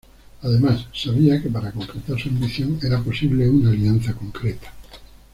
Además, sabía que para concretar su ambición era posible una alianza con Creta.